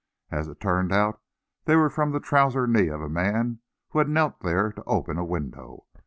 As it turned out, they were from the trouser knee of a man who had knelt there to open a window.